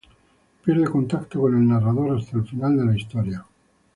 Pierde contacto con el narrador hasta el final de la historia.